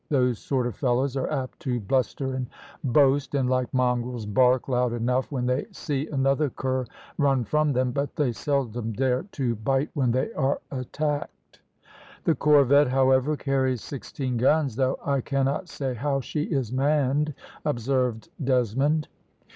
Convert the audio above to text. "Those sort of fellows are apt to bluster and boast, and, like mongrels, bark loud enough when they see another cur run from them, but they seldom dare to bite when they are attacked." "The corvette, however, carries sixteen guns, though I cannot say how she is manned," observed Desmond.